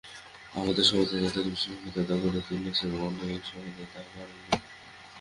আমাদের সমাজে দাদাকে বিশেষভাবে দাদা করে তুলেছে, অন্য সমাজে তা করে নি।